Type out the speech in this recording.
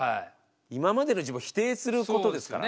今までの自分を否定することですからね。